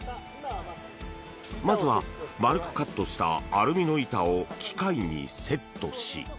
まずは、丸くカットしたアルミの板を機械にセットし。